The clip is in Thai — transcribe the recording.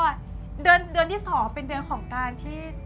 เดือนที่๒เป็นเดือนของการที่